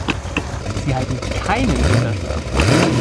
Sie halten keinen Winterschlaf.